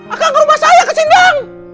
akan ke rumah saya ke sindang